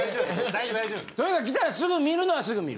・大丈夫大丈夫・とにかく来たらすぐ見るのはすぐ見る。